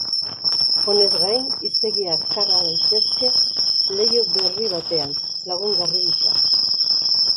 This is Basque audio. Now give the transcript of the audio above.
Honez gain, hiztegiak karga daitezke leiho berri batean, lagungarri gisa.